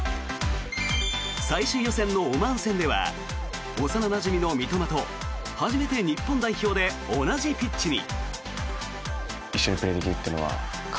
最終予選のオマーン戦では幼なじみの三笘と初めて日本代表で同じピッチに。